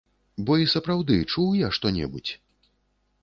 Бо і сапраўды, чуў я што-небудзь?